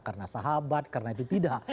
karena sahabat karena itu tidak